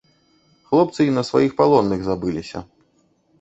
Хлопцы й на сваіх палонных забыліся.